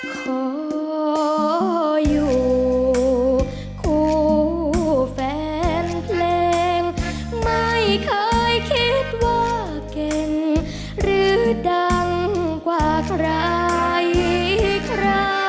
ขออยู่คู่แฟนเพลงไม่เคยคิดว่าเก่งหรือดังกว่าใครครับ